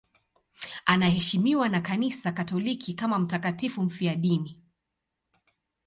Anaheshimiwa na Kanisa Katoliki kama mtakatifu mfiadini.